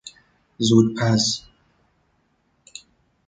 زود پز